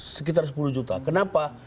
sekitar sepuluh juta kenapa